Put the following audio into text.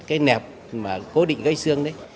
cái nẹp mà cố định gây xương đấy